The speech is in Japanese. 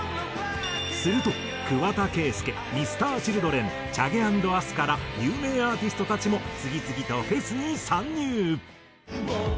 すると桑田佳祐Ｍｒ．ＣｈｉｌｄｒｅｎＣＨＡＧＥａｎｄＡＳＫＡら有名アーティストたちも次々とフェスに参入。